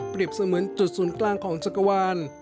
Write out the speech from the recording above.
เสมือนจุดศูนย์กลางของจักรวาล